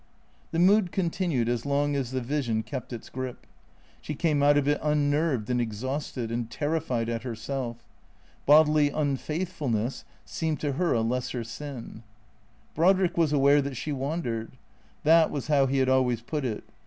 The mood continued as long as the vision kept its grip. She came out of it unnerved and exhausted, and terrified at herself. Bodily unfaitlifulness seemed to her a lesser sin. Brodrick was aware that she Avandercd. That was how he had always put it.